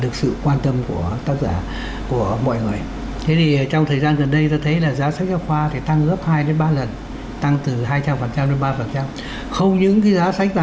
có phù hợp hay không